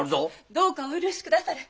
どうかお許しくだされ。